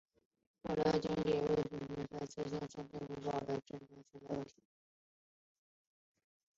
后来经卫斯理的迫使下才相信古堡真的存在问题。